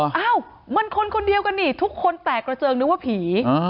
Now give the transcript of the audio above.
อ้าวมันคนคนเดียวกันนี่ทุกคนแตกกระเจิงนึกว่าผี